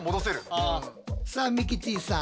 さあミキティさん。